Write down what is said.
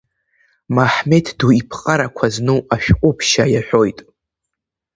Маҳмед ду иԥҟарақуа зну ашәҟу ԥшьа иаҳәоит…